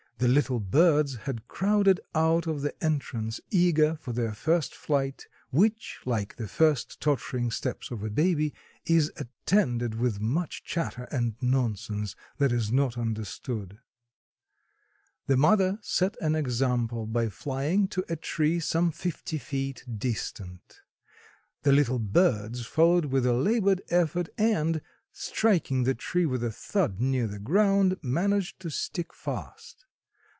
The little birds had crowded out of the entrance, eager for their first flight, which, like the first tottering steps of a baby, is attended with much chatter and nonsense that is not understood. The mother set an example by flying to a tree some fifty feet distant. The little birds followed with a labored effort and, striking the tree with a thud near the ground, managed to stick fast.